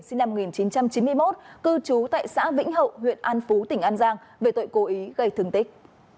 sinh năm một nghìn chín trăm chín mươi một cư trú tại xã vĩnh hậu huyện an phú tỉnh an giang về tội cố ý gây thương tích